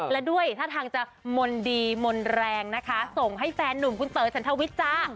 และด้วยท่าทางจะมนดีมนต์แรงนะคะส่งให้แฟนหนุ่มคุณเต๋อฉันทวิทย์จ้า